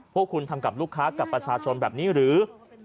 พวกคุณทำกับลูกค้ากับประชาชนแบบนี้หรือ